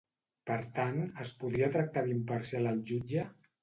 Per tant, es podria tractar d'imparcial el jutge?